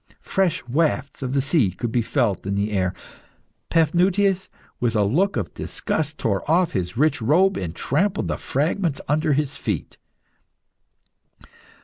Fresh wafts of the sea could be felt in the air. Paphnutius, with a look of disgust, tore off his rich robe and trampled the fragments under his feet.